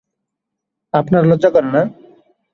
আপনার লজ্জা করে না?